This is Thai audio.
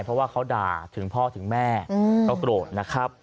เพราะว่าเขาด่าถึงพ่อถึงแม่เขาโกรธนะครับ